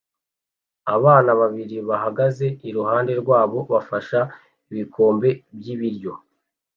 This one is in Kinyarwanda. Abana babiri bahagaze iruhande rwabo bafashe ibikombe by'ibiryo